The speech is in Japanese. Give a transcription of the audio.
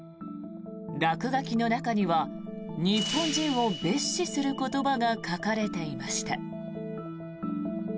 落書きの中には日本人を蔑視する言葉が書かれていました。